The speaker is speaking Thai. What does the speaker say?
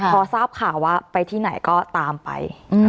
พอทราบข่าวว่าไปที่ไหนก็ตามไป